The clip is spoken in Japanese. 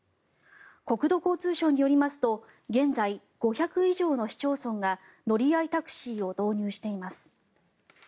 国土交通省によりますと現在、５００以上の市町村が乗合タクシーを導入しています。